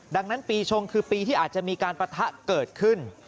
ดังนั้นปีชงคือปีที่อาจจะมีการปะทะเกิดขึ้น